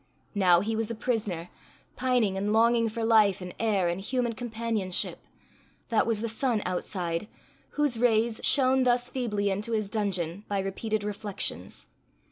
Now he was a prisoner, pining and longing for life and air and human companionship; that was the sun outside, whose rays shone thus feebly into his dungeon by repeated reflections.